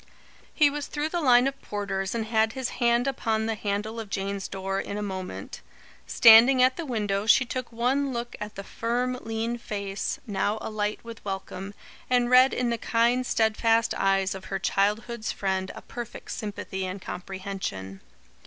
He was through the line of porters and had his hand upon the handle of Jane's door in a moment. Standing at the window, she took one look at the firm lean face, now alight with welcome, and read in the kind, steadfast eyes of her childhood's friend a perfect sympathy and comprehension.